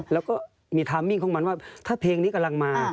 แล้วก็มีทามมิ่งของมันว่าถ้าเพลงนี้กำลังมา